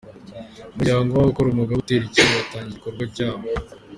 Umuryango w’abakora umwuga wo gutera ikinya watangiye ibikorwa byawo